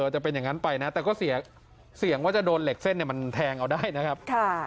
จะเป็นอย่างนั้นไปนะแต่ก็เสี่ยงว่าจะโดนเหล็กเส้นมันแทงเอาได้นะครับ